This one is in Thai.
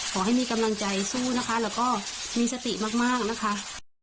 ขอให้มีกำลังใจสู้นะคะแล้วก็มีสติมากนะคะ